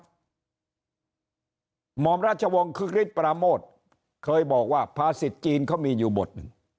หมอมราชวงศ์คึกฤทธปราโมทเคยบอกว่าภาษิตจีนเขามีอยู่บทหนึ่ง